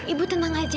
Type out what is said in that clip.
ibu tenang aja